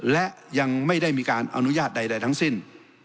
และยังไม่ได้มีการอนุญาตใดทั้งสิ้น